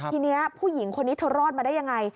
ทีนี้ผู้หญิงคนนี้เธอรอดมาได้ยังไง